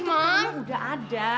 itu dia udah ada